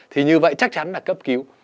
thì như vậy chắc chắn là cấp cứu